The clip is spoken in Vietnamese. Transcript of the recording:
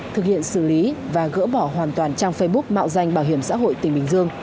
thực hiện xử lý và gỡ bỏ hoàn toàn trang facebook mạo danh bảo hiểm xã hội tỉnh bình dương